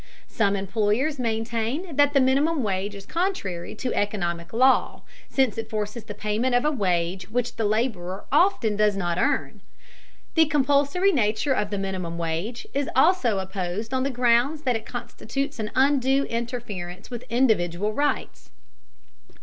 Some employers maintain that the minimum wage is contrary to economic law, since it forces the payment of a wage which the laborer often does not earn. The compulsory nature of the minimum wage is also opposed on the grounds that it constitutes an undue interference with individual rights.